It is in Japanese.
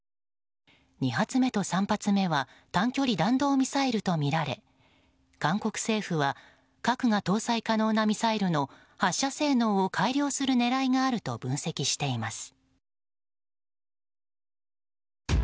２発目と３発目は短距離弾道ミサイルとみられ韓国政府は核が搭載可能なミサイルの発射性能を改良する狙いがあると分析しています。